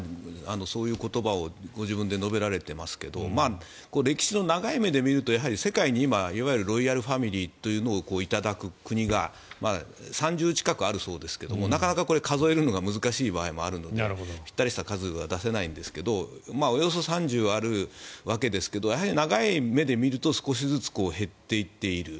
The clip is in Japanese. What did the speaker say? そういう言葉をご自分で述べられてますけど歴史の長い目で見ると世界に今ロイヤルファミリーというのを頂く国が３０近くあるそうですがなかなかこれ数えるのが難しい場合もあるのでぴったりした数は出せないんですがおよそ３０あるわけですがやはり長い目で見ると少しずつ減っていっている。